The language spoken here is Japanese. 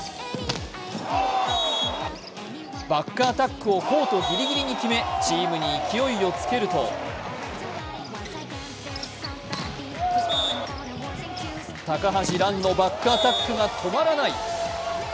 バックアタックをコートぎりぎりに決めチームに勢いをつけると高橋藍のバックアタックが止まらない。